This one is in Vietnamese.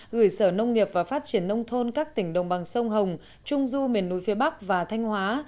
gửi sở nông nghiệp và phát triển nông thôn các tỉnh đồng bằng sông hồng trung du miền núi phía bắc và thanh hóa